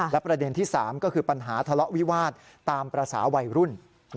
และประเด็นที่๓ก็คือปัญหาทะเลาะวิวาสตามภาษาวัยรุ่น